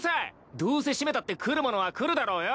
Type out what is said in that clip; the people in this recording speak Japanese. どうせ閉めたって来るものは来るだろうよ。